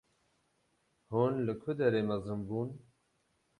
Hûn li ku derê mezin bûn?